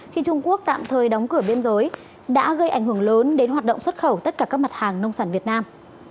khi trung quốc tạm thời đóng cửa biên giới đã gây ảnh hưởng lớn đến hoạt động xuất khẩu tất cả các mặt hàng nông sản việt nam